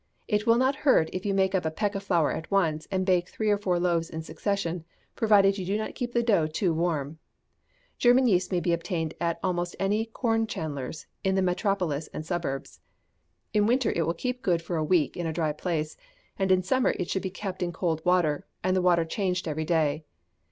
It will not hurt if you make up a peck of flour at once, and bake three or four loaves in succession, provided you do not keep the dough too warm. German yeast may be obtained at almost any corn chandler's in the metropolis and suburbs. In winter it will keep good for a week in a dry place, and in summer it should be kept in cold water, and the water changed every day.